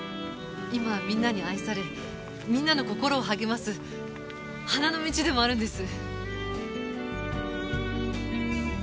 今はみんなに愛されみんなの心を励ます花の道でもあるんです。